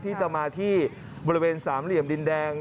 ที่จะมาที่บริเวณสามเหลี่ยมดินแดง